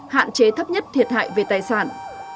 hạn chế thấp nhất thiệt hại về tài sản